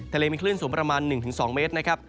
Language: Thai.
ทะเลมีคลื่นสูงประมาณ๑๒เมตรนะครับ